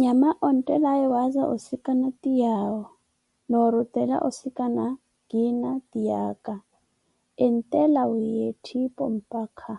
Nyama onttelaawe waaza osikana ti yaawo, noorutela osikana kiina ti yaaka, enttela wiiya ettipi mpakha.